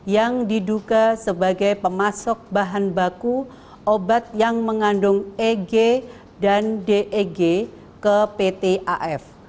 yang diduga sebagai pemasok bahan baku obat yang mengandung eg dan deg ke pt af